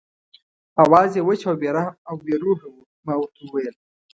آواز یې وچ او بې روحه و، ما ورته وویل.